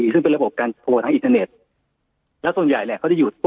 ซึ่งเป็นระบบการโทรทางอินเทอร์เน็ตแล้วส่วนใหญ่เนี่ยเขาจะอยู่ตัว